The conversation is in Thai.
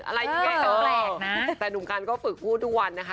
อันนี้มันไม่กลัวแต่หนุ่มกันก็ฝึกพูดดูวันนะคะ